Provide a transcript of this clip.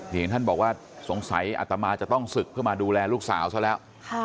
เห็นท่านบอกว่าสงสัยอัตมาจะต้องศึกเพื่อมาดูแลลูกสาวซะแล้ว